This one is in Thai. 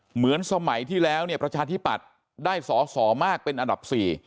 เหมือนสมัยที่แล้วเนี่ยประชาธิปัตย์ได้สอสอมากเป็นอันดับ๔